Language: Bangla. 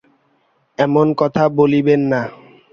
অমন কথা বলিবেন না।